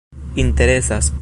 interesas